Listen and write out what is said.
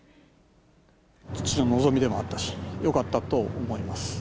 父の望みでもあったし、よかったと思います。